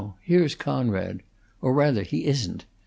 Now here's Coonrod or, rather, he isn't.